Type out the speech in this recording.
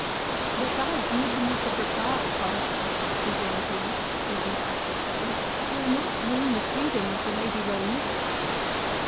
—But thy glibness of reply, comrade," rejoined he, speaking to Athelstane, "will not win the freedom of the Lady Rowena."